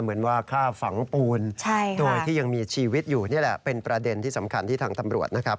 เหมือนว่าฆ่าฝังปูนโดยที่ยังมีชีวิตอยู่นี่แหละเป็นประเด็นที่สำคัญที่ทางตำรวจนะครับ